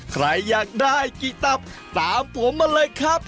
ใครอยากได้กี่ตับตามผมมาเลยครับ